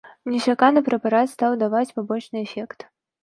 Нечакана прэпарат стаў даваць пабочны эфект.